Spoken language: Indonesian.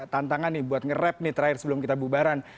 tantangan nih buat nge rap nih terakhir sebelum kita bubaran